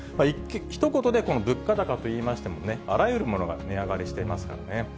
ひと言でこの物価高といいましてもね、あらゆるものが値上がりしていますからね。